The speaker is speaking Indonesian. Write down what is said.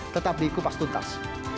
tetap di kupas tuntas